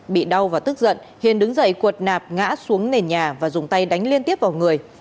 bị đau và tức giận hiền đứng dậy cuột nạp ngã xuống nền nhà và dùng tay đánh liên tiếp vào người